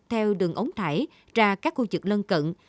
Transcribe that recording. theo đường ống thải ra các khu vực lân cận